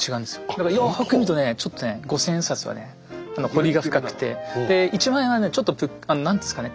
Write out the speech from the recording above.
だからよく見るとねちょっとね五千円札はね彫りが深くてで一万円はねちょっと何ていうんですかね